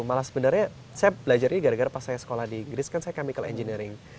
malah sebenarnya saya belajar ini gara gara pas saya sekolah di inggris kan saya chemical engineering